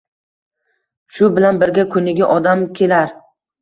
Shu bilan birga kuniga odam kelar.